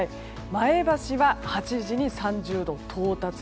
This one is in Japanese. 前橋は８時に３０度到達。